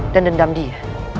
dan dendam dia